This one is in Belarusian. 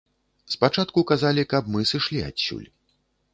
Спачатку казалі, каб мы сышлі адсюль.